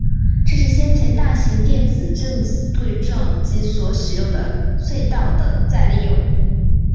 这是先前大型电子正子对撞机所使用隧道的再利用。